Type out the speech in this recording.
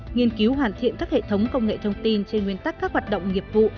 nghiên cứu hoàn thiện các hệ thống công nghệ thông tin trên nguyên tắc các hoạt động nghiệp vụ